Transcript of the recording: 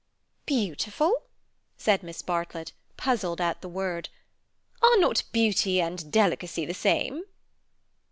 "Beautiful?" said Miss Bartlett, puzzled at the word. "Are not beauty and delicacy the same?"